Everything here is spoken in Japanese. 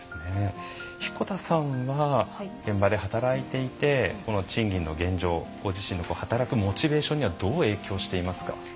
彦田さんは現場で働いていて賃金の現状、ご自身の働くモチベーションにはどう影響していますか？